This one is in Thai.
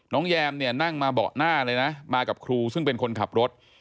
แยมเนี่ยนั่งมาเบาะหน้าเลยนะมากับครูซึ่งเป็นคนขับรถ